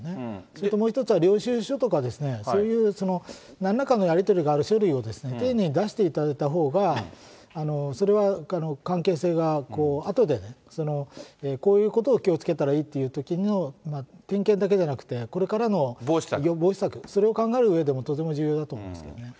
それともう一つは領収書とかですね、そういうなんらかのやり取りがある書類を丁寧に出していただいたほうが、それは関係性があとでね、こういうことを気をつけたらいいというときの、点検だけではなくて、これからの防止策、それを考えるうえでもとても重要だと思いますね。